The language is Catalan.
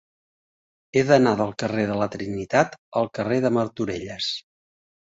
He d'anar del carrer de la Trinitat al carrer de Martorelles.